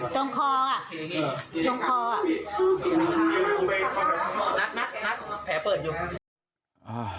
ตรงคออ่ะ